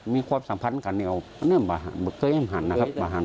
ที่ไม่ได้ส่งจะเป็นเก็บไว้